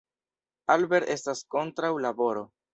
Albert estas kontraŭ laboro.